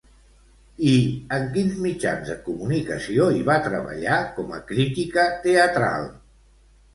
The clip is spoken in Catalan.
I en quins mitjans de comunicació hi va treballar com a crítica teatral?